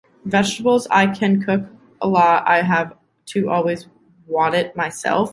Vegetables I can cook a lot, I have to always wat it myself.